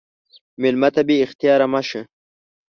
مېلمه ته بې اختیاره مه شه.